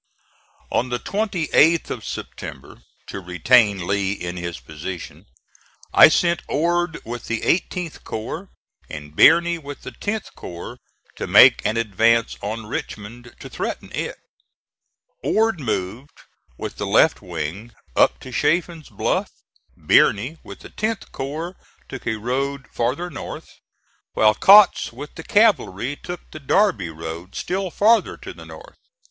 On the 28th of September, to retain Lee in his position, I sent Ord with the 18th corps and Birney with the 10th corps to make an advance on Richmond, to threaten it. Ord moved with the left wing up to Chaffin's Bluff; Birney with the 10th corps took a road farther north; while Kautz with the cavalry took the Darby road, still farther to the north.